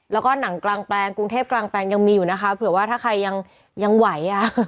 แล้วก็หนังกลางแปลงกรุงเทพกลางแปลงยังมีอยู่นะคะเผื่อว่าถ้าใครยังไหวอ่ะ